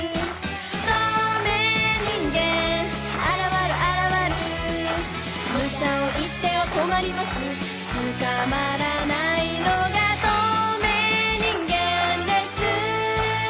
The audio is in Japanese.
透明人間あらわるあらわる」「無茶をいっては困りますつかまらないのが透明人間です」